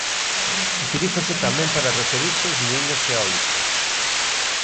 Utilízase tamén para referirse aos muíños eólicos.